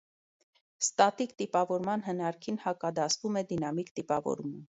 Ստատիկ տիպավորման հնարքին հակադասվում է դինամիկ տիպավորումը։